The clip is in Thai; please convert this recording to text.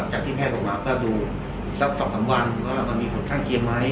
แท่นแพทย์ตรงนั้นก็ดูสัก๒๓วันว่ามันมีผลข้างเกียรติไหม